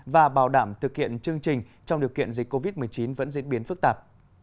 và bảo đảm thực hiện chương trình trong điều kiện dịch covid một mươi chín vẫn diễn biến phức tạp